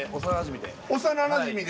幼なじみで。